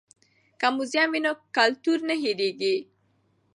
که موزیم وي نو کلتور نه هیریږي.